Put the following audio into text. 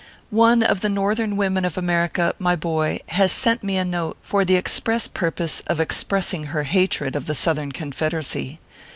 ONE of the Northern women of America, my boy, has sent me a note, for the express purpose of express ing her hatred of the Southern Confederacy.